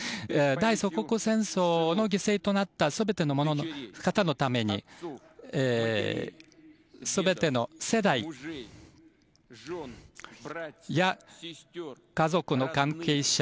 大祖国戦争の犠牲となった全ての方のために全ての世代や家族の関係者